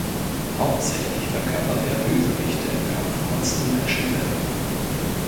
Hauptsächlich verkörpert er Bösewichte in Kampfkunst- und Actionfilmen.